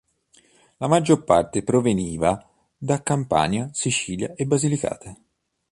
La maggior parte proveniva da Campagna, Sicilia e Basilicata.